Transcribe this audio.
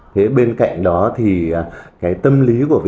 thế bên cạnh đó thì cái tâm lý của cái